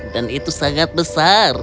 dan itu sangat besar